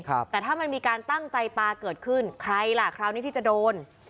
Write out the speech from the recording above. แต่ถ้ามันมีการตั้งใจปลาเกิดขึ้นใครล่ะคราวนี้ที่จะโดน